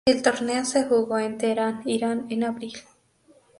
El torneo se jugó en Teherán, Irán en Abril.